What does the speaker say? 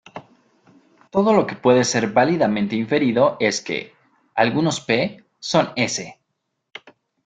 Todo lo que se puede ser válidamente inferido es que "Algunos P son S".